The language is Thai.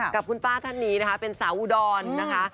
กับคุณป้าท่านนี้นะคะเป็นสาวอุดรนะคะ